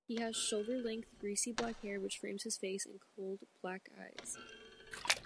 He has shoulder-length, greasy black hair which frames his face, and cold, black eyes.